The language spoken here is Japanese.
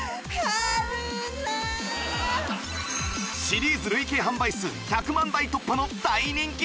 シリーズ累計販売数１００万台突破の大人気商品！